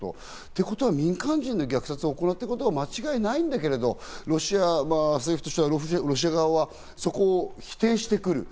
ということは民間人の虐殺を行っていることは間違いないんだけど、ロシア政府としてはロシア側としてはそこを否定してくる。